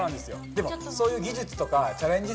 でもそういう技術とかチャレンジ